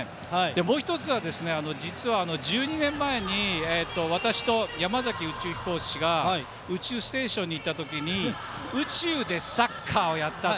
もう１つは実は、１２年前に私と山崎宇宙飛行士が宇宙ステーションに行った時に宇宙でサッカーをやったと。